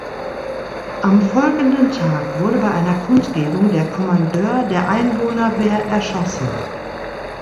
Am folgenden Tag wurde bei einer Kundgebung der Kommandeur der Einwohnerwehr erschossen.